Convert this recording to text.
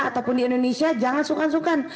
ataupun di indonesia jangan sukan sukan